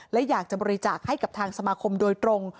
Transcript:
และอยากจะบริจาคให้กับทางสมาคมโดยตรง